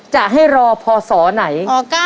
จะให้รอพอสอไหน